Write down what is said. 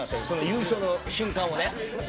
その優勝の瞬間をね。